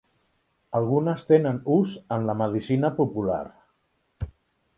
Algunes tenen ús en la medicina popular.